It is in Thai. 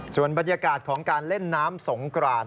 ส่วนบรรยากาศของการเล่นน้ำสงกราน